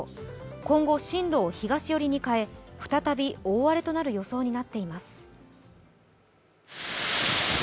今後、進路を東寄りに変え、再び大荒れとなる予想になっています。